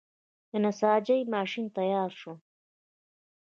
د نساجۍ ماشین تیار شو.